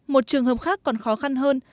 một trường hợp khác còn khó khăn hơn